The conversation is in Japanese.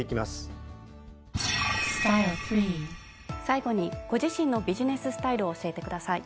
最後にご自身のビジネススタイルを教えてください。